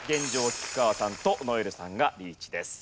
菊川さんと如恵留さんがリーチです。